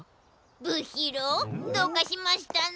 ぶひろうどうかしましたの？